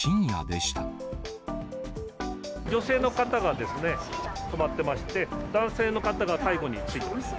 女性の方がですね、止まってまして、男性の方が背後についてました。